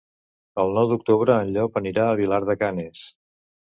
El nou d'octubre en Llop anirà a Vilar de Canes.